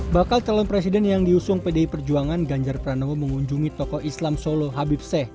bakal calon presiden yang diusung pdi perjuangan ganjar pranowo mengunjungi tokoh islam solo habib seh